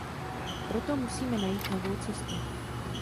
Proto musíme najít novou cestu.